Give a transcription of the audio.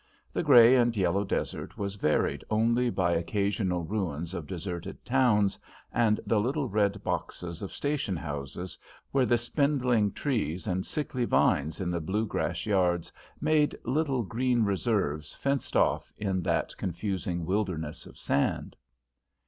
The grey and yellow desert was varied only by occasional ruins of deserted towns, and the little red boxes of station houses, where the spindling trees and sickly vines in the blue grass yards made little green reserves fenced off in that confusing wilderness of sand.